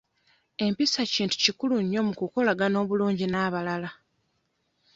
Empisa kintu kikulu nnyo mu kukolagana obulungi n'abalala.